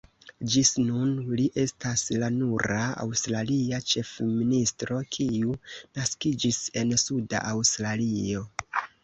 Ĝis nun, li estas la nura aŭstralia ĉefministro kiu naskiĝis en Suda Aŭstralio.